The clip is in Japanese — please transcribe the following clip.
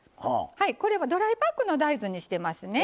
はいこれはドライパックの大豆にしてますね。